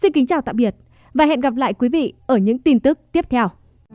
xin kính chào tạm biệt và hẹn gặp lại quý vị ở những tin tức tiếp theo